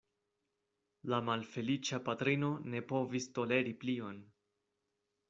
La malfeliĉa patrino ne povis toleri plion.